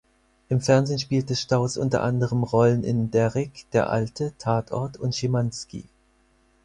Im Fernsehen spielte Stauss unter anderem Rollen in Derrick, Der Alte, Tatort und Schimanski.